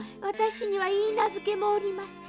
私にはいいなずけもおります」